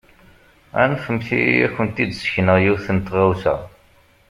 Anfemt-iyi ad kent-id-sekneɣ yiwet n tɣawsa.